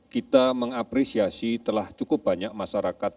kita mengapresiasi telah cukup banyak masyarakat